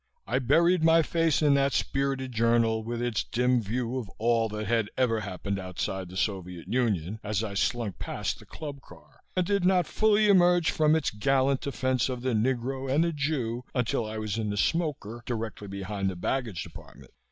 I buried my face in that spirited journal, with its dim view of all that had ever happened outside the Soviet Union, as I slunk past the Club Car, and did not fully emerge from its gallant defense of the Negro and the Jew until I was in the smoker, directly behind the baggage compartment.